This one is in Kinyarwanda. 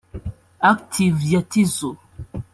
Active ya Tizzo